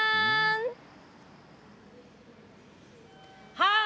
はい！